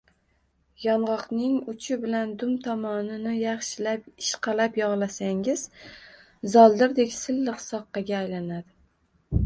Yong’oqning uchi bilan dum tomonini yaxshilab ishqalab yog‘lasangiz, zoldirdek silliq soqqaga aylanadi.